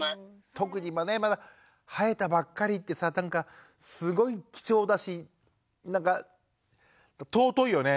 特に今ねまだ生えたばっかりってさなんかすごい貴重だしなんか尊いよね